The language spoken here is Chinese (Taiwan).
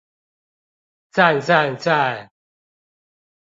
讚讚讚